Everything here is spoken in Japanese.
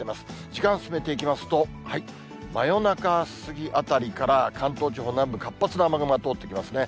時間進めていきますと、真夜中過ぎあたりから、関東地方南部、活発な雨雲が通っていきますね。